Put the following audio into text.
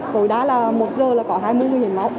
thổi đã là một giờ là có hai mươi người hiến máu